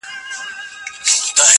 نه معلوم یې چاته لوری نه یې څرک سو!.